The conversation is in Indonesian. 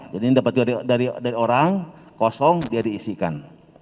jadi ini dapat juga dari orang kosong dia diisikan